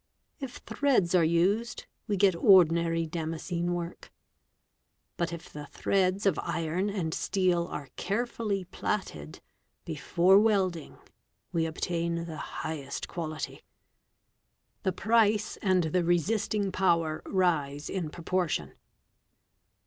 If threads are used, we get ordinary Damascene work; but if the threads of iron and steel are carefully plaited before welding, we obtain the highest quality. The price and the resisting power rise in proportion.